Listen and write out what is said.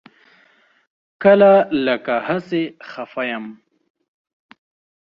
کله لکه هسې خپه یم.